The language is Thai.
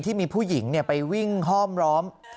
ที่มีผู้หญิงไปวิ่งห้อมล้อม